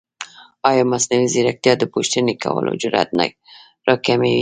ایا مصنوعي ځیرکتیا د پوښتنې کولو جرئت نه راکموي؟